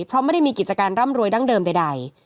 เพราะไม่ได้มีกิจการร่ำรวยดั้งเดิมใด